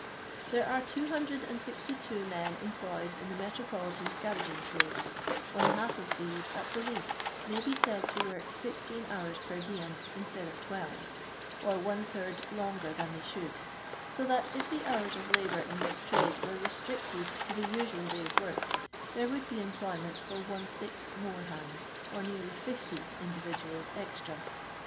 Thera «re 262 men employed in the Hetropo* litan ScaTaging Trade ; one half of these at the least may be said to work 16 hours per diem in stead of 12, or one third longer than they should ; so that if the hoars of labour in this trade were restricted to the usual day's work, there would be employment for one iixth more bands, or nearly 50 individuals extra.